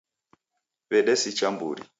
W'edesicha mburi.